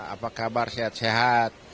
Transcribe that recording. apa kabar sehat sehat